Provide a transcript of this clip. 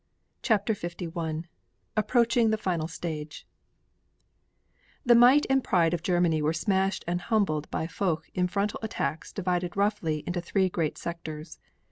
CHAPTER LI APPROACHING THE FINAL STAGE The might and pride of Germany were smashed and humbled by Foch in frontal attacks divided roughly into three great sectors.